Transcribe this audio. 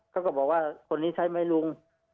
ก็บอกว่าคนนี้ใช่ไหมลุง